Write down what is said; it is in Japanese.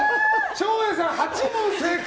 照英さん、８問正解！